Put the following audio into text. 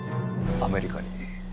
アメリカ？